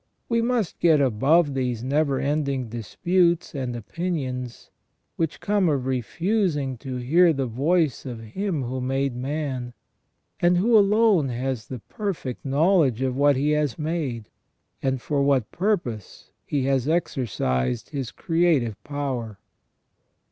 We must get above these never ending disputes and opinions, which come of refusing to hear the voice of Him who made man, and who alone has the perfect knowledge of what He has made, and for what purpose He has exercised His creative power.